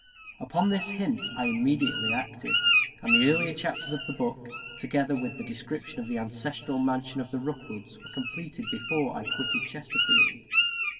Upon this hint I immediately acted; and the earlier chapters of the book, together with the description of the ancestral mansion of the Rookwoods, were completed before I quitted Chesterfield.